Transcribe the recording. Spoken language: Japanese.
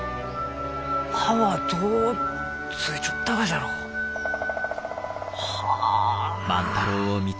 葉はどうついちょったがじゃろう？はあ。